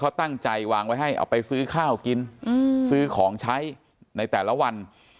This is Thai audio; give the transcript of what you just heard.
เขาตั้งใจวางไว้ให้เอาไปซื้อข้าวกินซื้อของใช้ในแต่ละวัน